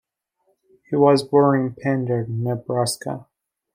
He was born in Pender, Nebraska.